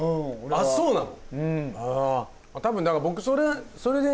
あっそうなの？